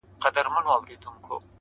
د سترگو هره ائينه کي مي ستا نوم ليکلی.